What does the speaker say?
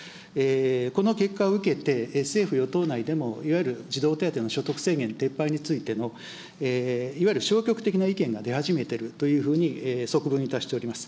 この結果を受けて、政府・与党内でもいわゆる児童手当の所得制限撤廃についてのいわゆる消極的な意見が出始めてるというふうに、側聞いたしております。